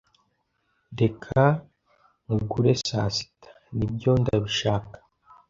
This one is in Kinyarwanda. "Reka nkugure saa sita." "Nibyo. Ndabishaka."